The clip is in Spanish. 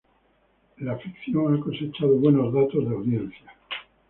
La ficción ha cosechado buenos datos de audiencia.